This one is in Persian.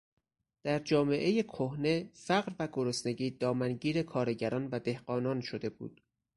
در جامعهٔ کهنه فقر و گرسنگی دامن گیر کارگران و دهقانان شده بود.